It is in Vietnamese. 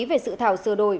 về sự thảo sửa đổi